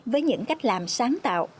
với những cách làm sáng tạo